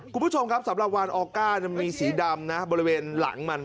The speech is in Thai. คุณผู้ชมครับสำหรับวานออก้ามีสีดำนะบริเวณหลังมัน